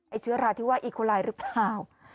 ไอ้เชื้อราที่ว่าอิโคไลน์หรือเปล่า